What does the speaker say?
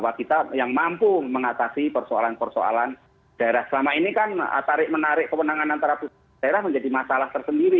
bahwa kita yang mampu mengatasi persoalan persoalan daerah selama ini kan tarik menarik kewenangan antara pusat daerah menjadi masalah tersendiri